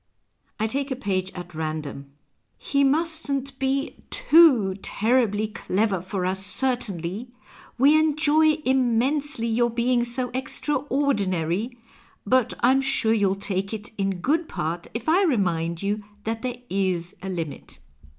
I take a page at random :—" He mustn't be ton terribly clever for us, certainly ! We enjoy inuuensdy your being so extraordinary : but I'm sure you'll take it in good jiart if I remind you that there is a limit."